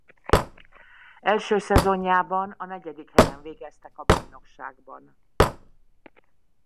Első szezonjában a negyedik helyen végeztek a bajnokságban.